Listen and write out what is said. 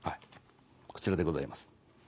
こちらでございます。